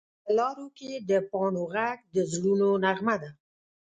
په لارو کې د پاڼو غږ د زړونو نغمه ده